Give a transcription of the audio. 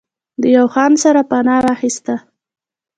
د يو خان سره پناه واخسته